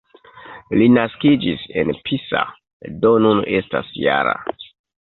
Li naskiĝis en Pisa, do nun estas -jara.